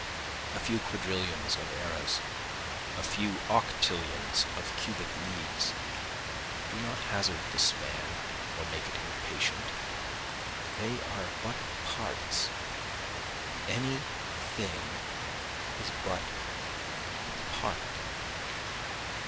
A few quadrillions of eras, a few octillions of cubic leagues, do not hazard the span or make it impatient, They are but parts, any thing is but a part.